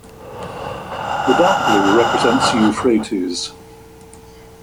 The dark blue represents the Euphrates.